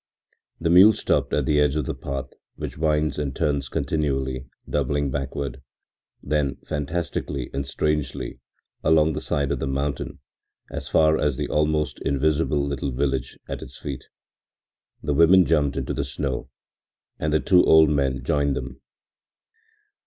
The mule stopped at the edge of the path, which winds and turns continually, doubling backward, then, fantastically and strangely, along the side of the mountain as far as the almost invisible little village at its feet. The women jumped into the snow and the two old men joined them.